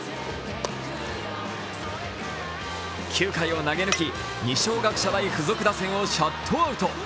９回を投げ抜き、二松学舎大付属打線をシャットアウト。